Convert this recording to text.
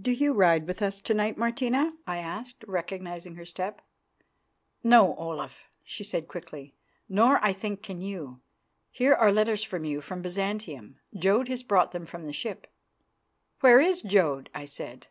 "Do you ride with us to night, Martina?" I asked, recognising her step. "No, Olaf," she said quickly, "nor I think can you. Here are letters for you from Byzantium. Jodd has brought them from the ship." "Where is Jodd?" I said.